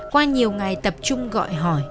qua nhiều ngày tập trung gọi hỏi